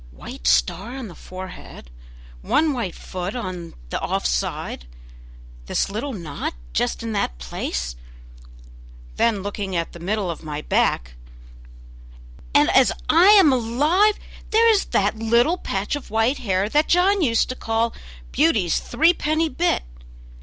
"White star in the forehead, one white foot on the off side, this little knot just in that place;" then looking at the middle of my back "and, as I am alive, there is that little patch of white hair that John used to call 'Beauty's three penny bit'.